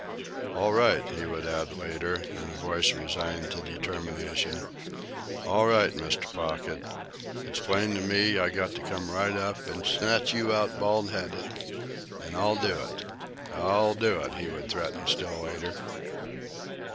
"All right," he would add later, in a voice resigned to determination. "All right, Mr. Pocket. It's plain to me I got to come right up an' snatch you out bald headed. An' I'll do it! I'll do it!" he would threaten still later.